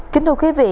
kính thưa quý vị